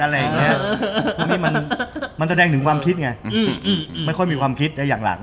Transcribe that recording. อันนี้มันแสดงถึงความคิดไงไม่ค่อยมีความคิดอย่างหลัง